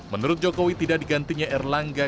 menurut jokowi tidak digantinya erlangga